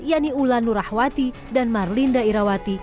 yani ulanurahwati dan marlinda irawati